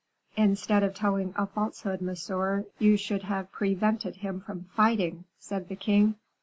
"Instead of telling a falsehood, monsieur, you should have prevented him from fighting," said the king.